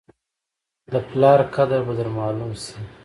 د پلار قدر به در معلوم شي !